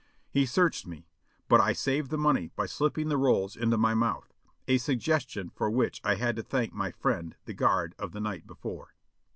He searched me, but I saved the money by slipping the rolls into my mouth, a suggestion for which I had to thank my friend the guard of the night before.